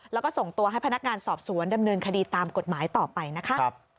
แล้วก็ส่งตัวให้พนักงานสอบสวนดำเนินคดีตามกฎหมายต่อไปนะคะ